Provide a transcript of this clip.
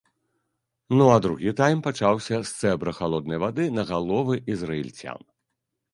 Ну, а другі тайм пачаўся з цэбра халоднай вады на галовы ізраільцян.